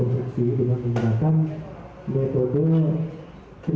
yang hari ini kita lakukan simulasi rekonstruksi